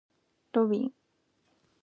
ロビン